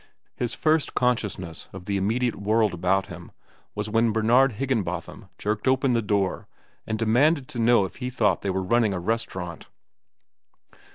His first consciousness of the immediate world about him was when Bernard Higginbotham jerked open the door and demanded to know if he thought they were running a restaurant.